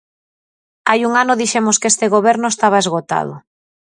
Hai un ano dixemos que este goberno estaba esgotado.